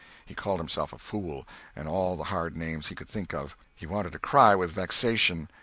He called himself a fool, and all the hard names he could think of. He wanted to cry with vexation.